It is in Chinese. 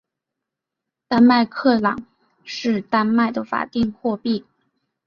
丹麦克朗是丹麦的法定货币。